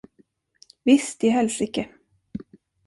Visst i helsike!